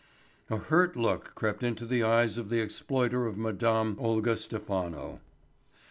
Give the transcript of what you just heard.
A hurt look crept into the eyes of the exploiter of Madame Olga Stephano.